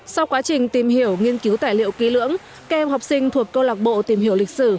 sau quá trình tìm hiểu nghiên cứu tài liệu ký lưỡng các em học sinh thuộc câu lạc bộ tìm hiểu lịch sử